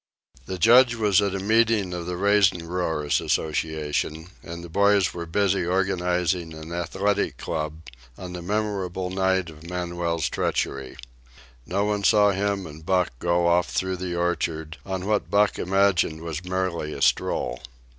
The Judge was at a meeting of the Raisin Growers' Association, and the boys were busy organizing an athletic club, on the memorable night of Manuel's treachery. No one saw him and Buck go off through the orchard on what Buck imagined was merely a stroll.